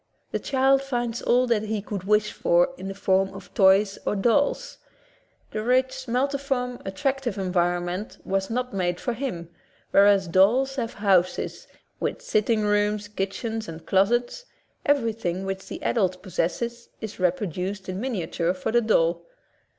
The child finds all that he could wish for in the form of toys or dolls. The rich, multiform, attractive environment was not made for him, whereas dolls have houses, with sitting rooms, kitchens, and closets — every thing which the adult possesses is reproduced in miniature for the doll.